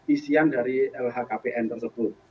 isian dari lhkpn tersebut